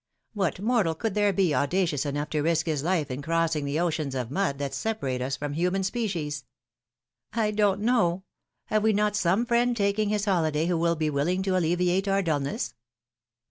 What mortal could there be, audacious enough to risk his life in crossing the oceans of mud that separate us from human species ?" I don't know. Have we not some friend taking his holiday, who would be willing to alleviate our dulness?"